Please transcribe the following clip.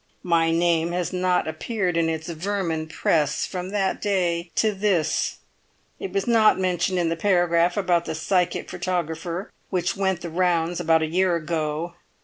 My name has not appeared in its vermin press from that day to this; it was not mentioned in the paragraph about the psychic photographer which went the rounds about a year ago.